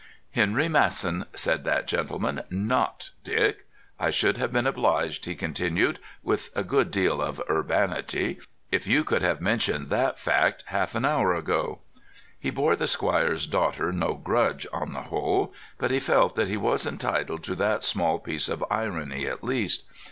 "Henry Masson," said that gentleman; "not Dick! I should have been obliged," he continued, with a good deal of urbanity, "if you could have mentioned that fact half an hour ago." He bore the squire's daughter no grudge, on the whole, but he felt that he was entitled to that small piece of irony at least.